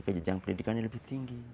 ke jenjang pendidikan yang lebih tinggi